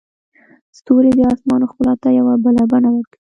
ستوري د اسمان ښکلا ته یو بله بڼه ورکوي.